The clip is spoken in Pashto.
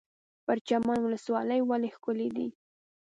پرچمن ولسوالۍ ولې ښکلې ده؟